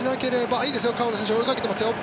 いいですよ、川野選手追いかけていますよ。